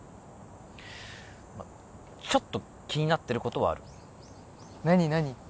まっちょっと気になってることはある何なに？